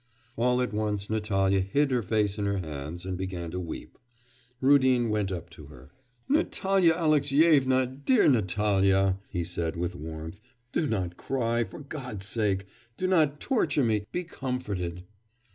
All at once Natalya hid her face in her hands and began to weep. Rudin went up to her. 'Natalya Alexyevna! dear Natalya!' he said with warmth, 'do not cry, for God's sake, do not torture me, be comforted.